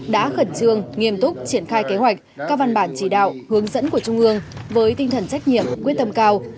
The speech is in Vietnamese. để trường nghiêm túc triển khai kế hoạch các văn bản chỉ đạo hướng dẫn của trung ương với tinh thần trách nhiệm quyết tâm cao